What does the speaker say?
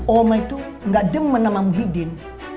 oma itu gak demen sama muhyiddin